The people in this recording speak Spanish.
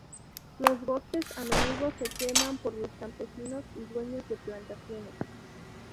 Los bosques a menudo se queman por los campesinos y dueños de plantaciones.